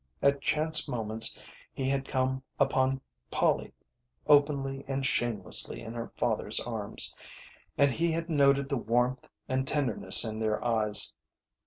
At chance moments he had come upon Polly, openly and shamelessly in her father's arms, and he had noted the warmth and tenderness in their eyes.